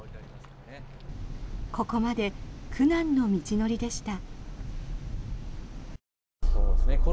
ここまで苦難の道のりでした。